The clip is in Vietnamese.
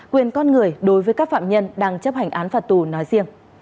quyền con người đối với các phạm nhân đang chấp hành án phạt tù nói riêng